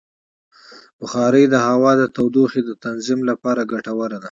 بخاري د هوا د تودوخې د تنظیم لپاره ګټوره ده.